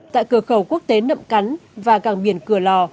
tại cửa khẩu quốc tế nậm cắn và cảng biển cửa lò